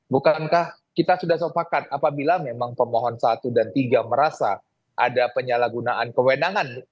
bukankah kita sudah sepakat apabila memang pemohon satu dan tiga merasa ada penyalahgunaan kewenangan